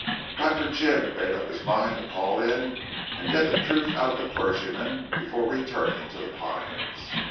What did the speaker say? Dr. Jim had made up his mind to call in and get the truth out of the clergyman before returning to "The Pines."